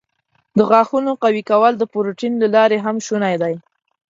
د غاښونو قوي کول د پروټین له لارې هم شونی دی.